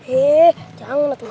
eh jangan atu ceng